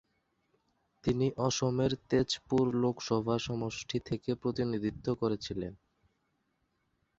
তিনি অসমের তেজপুর লোকসভা সমষ্টি থেকে প্রতিনিধিত্ব করেছিলেন।